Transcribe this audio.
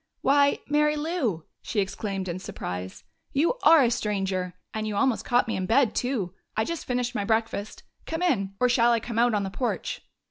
"Why, Mary Lou!" she exclaimed in surprise. "You are a stranger! And you almost caught me in bed, too! I just finished my breakfast. Come in or shall I come out on the porch?"